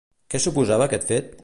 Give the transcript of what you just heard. Què suposava aquest fet?